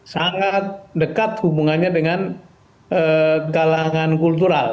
sangat dekat hubungannya dengan kalangan kultural